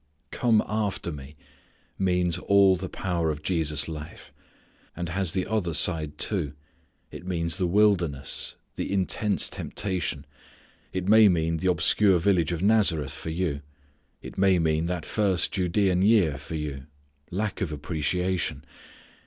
"Come after Me" means all the power of Jesus' life, and has the other side, too. It means the wilderness, the intense temptation. It may mean the obscure village of Nazareth for you. It may mean that first Judean year for you lack of appreciation.